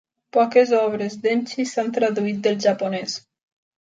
Poques obres d'Enchi s'han traduït del japonès.